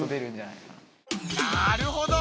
なるほど。